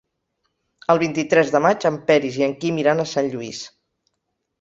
El vint-i-tres de maig en Peris i en Quim iran a Sant Lluís.